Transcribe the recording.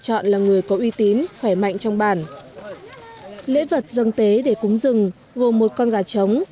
chọn là người có uy tín khỏe mạnh trong bản lễ vật dân tế để cúng rừng gồm một con gà trống